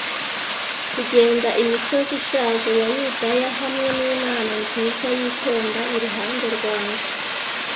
Kugenda imisozi ishaje ya Yudaya hamwe n'Imana nziza yitonda iruhande rwanjye,